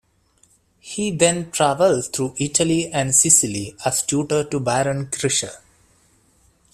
He then traveled through Italy and Sicily as tutor to Baron Krischer.